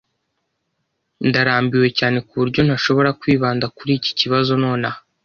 Ndarambiwe cyane kuburyo ntashobora kwibanda kuri iki kibazo nonaha.